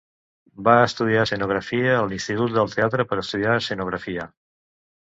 Va estudiar escenografia a l'Institut del Teatre per estudiar escenografia.